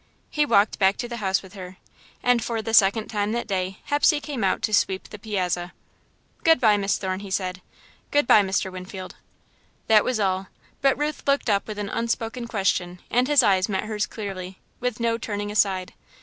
He walked back to the house with her, and, for the second time that day, Hepsey came out to sweep the piazza. "Good bye, Miss Thorne," he said. "Good bye, Mr. Winfield." That was all, but Ruth looked up with an unspoken question and his eyes met hers clearly, with no turning aside.